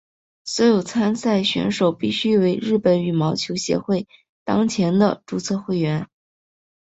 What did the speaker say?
所有参赛选手必须为日本羽毛球协会当前的注册会员。